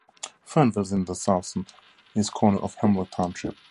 Fernville is in the southeast corner of Hemlock Township.